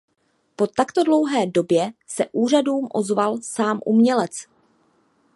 Po takto dlouhé době se úřadům ozval sám umělec.